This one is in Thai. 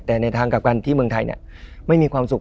แต่ในทางกับการที่เมืองไทยไม่มีความสุข